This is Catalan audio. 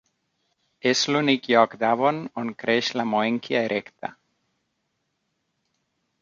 És l'únic lloc d'Avon on creix la "moenchia erecta".